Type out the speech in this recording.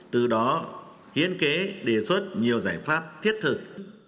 từ đó hiến kế đề xuất nhiều giải pháp thiết thực